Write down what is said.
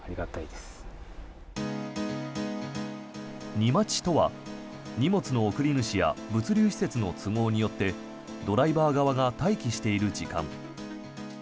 荷待ちとは荷物の送り主や物流施設の都合によってドライバー側が待機している時間。